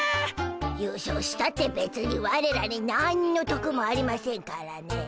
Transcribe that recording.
優勝したってべつにワレらになんのとくもありませんからねえ。